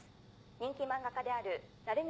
人気漫画家である鳴宮